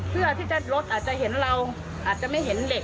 เพื่อที่ถ้ารถอาจจะเห็นเราอาจจะไม่เห็นเด็ก